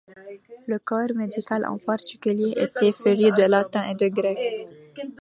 Le corps médical, en particulier, était féru de latin et de grec.